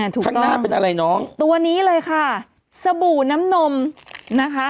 ถูกต้องตัวนี้เลยค่ะสบู่น้ำนมนะคะ